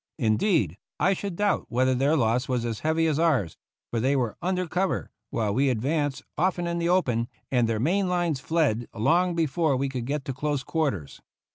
Indeed, I should doubt whether their loss was as heavy as ours, for they were under cover, while we ad vanced, often in the open, and their main lines fled long before we could get to close quarters.